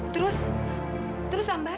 terus terus ambar